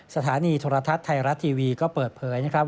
สถานีโทรทัศน์ไทยรัฐทีวีก็เปิดเผยนะครับ